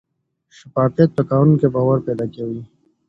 شفافیت په کارونو کې باور پیدا کوي.